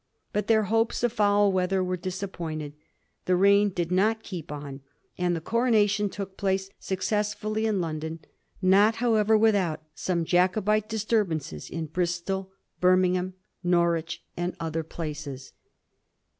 But their hopes of foul weather were disappointed. The rain did not keep on, and the coronation took place successfully iu London ; not, however, without some Jacobite disturbances lq Bris tol, Birmingham, Norwich, and other places.